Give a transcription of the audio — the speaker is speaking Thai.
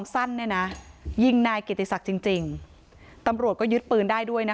สั้นเนี่ยนะยิงนายเกียรติศักดิ์จริงจริงตำรวจก็ยึดปืนได้ด้วยนะคะ